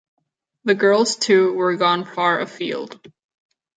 The girls, too, were gone far afield.